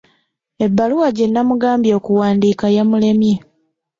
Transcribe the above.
Ebbaluwa gye nnamugambye okuwandiika yamulemye.